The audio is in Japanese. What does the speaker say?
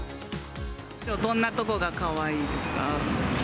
どんなところがかわいいですか？